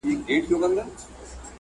نن به واخلي د تاریخ کرښي نومونه،